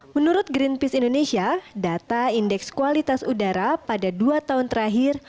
menurut greenpeace indonesia data indeks kualitas udara pada dua tahun terakhir